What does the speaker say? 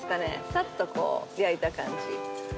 サッとこう焼いた感じ。